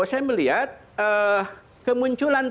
saya melihat kemunculan